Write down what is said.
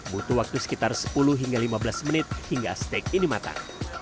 butuh waktu sekitar sepuluh hingga lima belas menit hingga steak ini matang